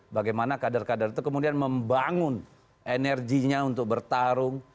bagaimana kader kader itu kemudian membangun energinya untuk bertarung